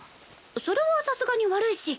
それはさすがに悪いし。